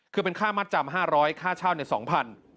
คือเป็นค่ามัดจำ๕๐๐ค่าเช่า๒๐๐บาท